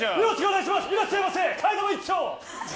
いらっしゃいませ！